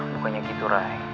bukannya gitu ray